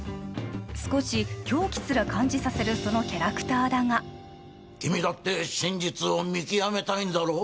少し狂気すら感じさせるそのキャラクターだが君だって真実を見極めたいんだろう？